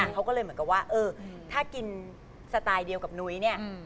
เขาก็เลยเหมือนกับว่าเออถ้ากินสไตล์เดียวกับนุ้ยเนี่ย